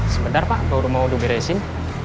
sebentar pak baru mau diberesin